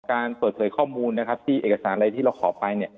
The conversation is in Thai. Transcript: การเปิดสวยข้อมูลนะครับที่เอกสารที่เราขอไป